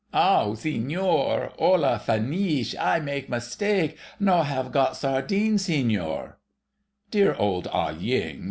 "Ow! signor—olla fineesh! I maka mistake! No have got sardines, signor...!" "Dear old Ah Ying!"